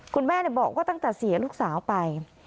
คุณแม่บอกว่าตั้งแต่เสียลูกสาวไป